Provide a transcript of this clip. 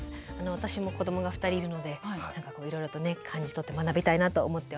私も子どもが２人いるので何かいろいろとね感じ取って学びたいなと思っております。